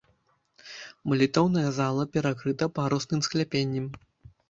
Малітоўная зала перакрыта парусным скляпеннем.